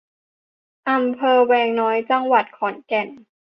อำเภอแวงน้อย จังหวัดขอนแก่น